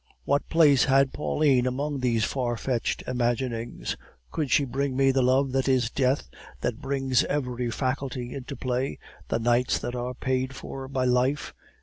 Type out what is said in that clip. What place had Pauline among these far fetched imaginings? Could she bring me the love that is death, that brings every faculty into play, the nights that are paid for by life?